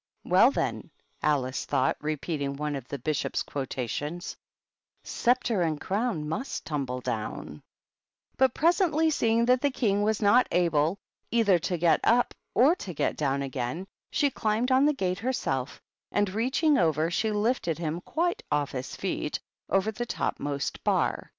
169 " Well, then," Alice thought, repeating one of the Bishop's quotations, —"^ Sceptre and crown Must tumble down V " But presently, seeing that the King was not able either to get up or to get down again, she climbed on the gate herself, and, reaching over, she lifted him quite off his feet, over the topmost bar.